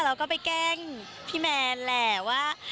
เราก็ไปแกล้งพี่แมนแหละว่า